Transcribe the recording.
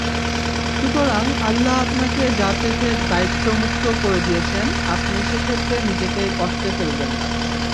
সুতরাং আল্লাহ আপনাকে যা থেকে দায়িত্বমুক্ত করে দিয়েছেন আপনি সেক্ষেত্রে নিজেকে কষ্টে ফেলবেন না।